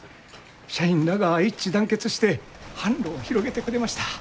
社員らが一致団結して販路を広げてくれました。